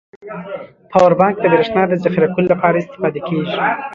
پاور بانک د بريښنا د زخيره کولو لپاره استفاده کیږی.